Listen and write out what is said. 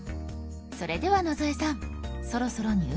それでは野添さんそろそろ入金しましょう。